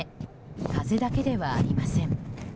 風だけではありません。